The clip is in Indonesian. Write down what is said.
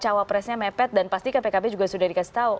cawapresnya mepet dan pastikan pkb juga sudah dikasih tahu